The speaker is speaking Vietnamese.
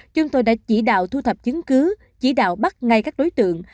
chúng tôi đã chỉ đạo thu thập chứng cứ chỉ đạo bắt ngay các đối tượng